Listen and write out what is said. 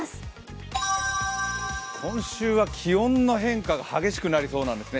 今週は気温の変化が激しくなりそうなんですね。